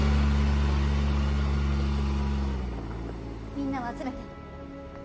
みんなを集めて。